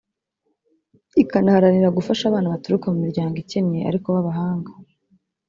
ikanaharanira gufasha abana baturuka mu miryango ikennye ariko b’abahanga